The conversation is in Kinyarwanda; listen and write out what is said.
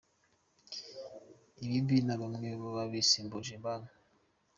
Ibimina bamwe babisimbuje banki